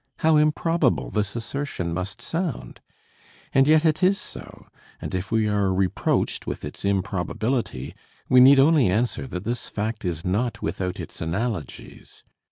How improbable this assertion must sound! And yet it is so, and if we are reproached with its improbability, we need only answer that this fact is not without its analogies.